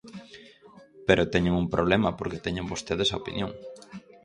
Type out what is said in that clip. Pero teñen un problema porque teñen vostedes a opinión.